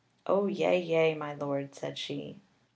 "O yea, yea, my Lord," said she.